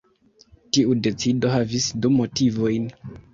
Tiu decido havis du motivojn.